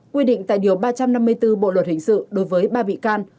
quy định tại điều ba trăm năm mươi bốn bộ luật hình sự đối với ba bị can